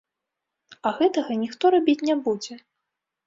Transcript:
А гэтага ніхто рабіць не будзе.